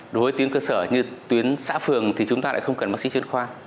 đối với tuyến cơ sở như tuyến xã phường thì chúng ta lại không cần bác sĩ chuyên khoa